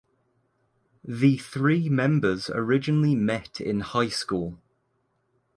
The three members originally met in high school.